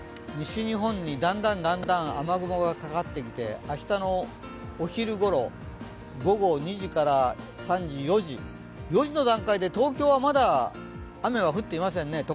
西日本にだんだん雨雲がかかってきて明日のお昼ごろ、午後２時から４時の段階で東京はまだ雨は降っていませんね。